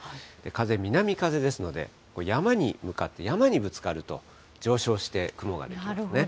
風、南風ですので、山に向かって、山にぶつかると、上昇して、雲が出来るんですね。